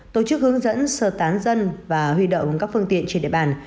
tổ chức hướng dẫn sơ tán dân và huy động các phương tiện trên địa bàn